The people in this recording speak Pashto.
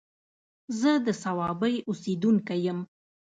زه د صوابۍ اوسيدونکی يم